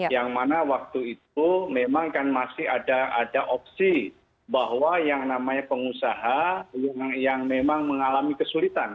yang mana waktu itu memang kan masih ada opsi bahwa yang namanya pengusaha yang memang mengalami kesulitan